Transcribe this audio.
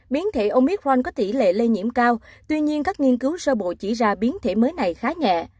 biến thể omitralk có tỷ lệ lây nhiễm cao tuy nhiên các nghiên cứu sơ bộ chỉ ra biến thể mới này khá nhẹ